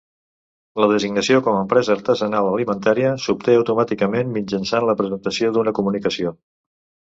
La designació com a empresa artesanal alimentària s'obté automàticament mitjançant la presentació d'una comunicació.